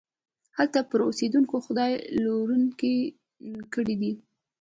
هلته پر اوسېدونکو خدای لورينې کړي دي.